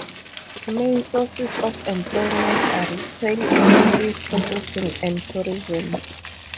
Main sources of employment are retail, olive processing and tourism.